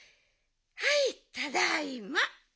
はいただいま。